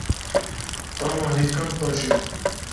Tahma hêkan xweş e.